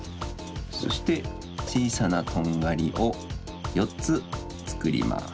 そしてちいさなとんがりをよっつつくります。